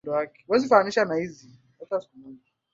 Nitakupatia Bibilia ukianza kuenda kanisani.